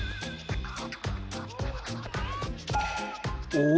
お？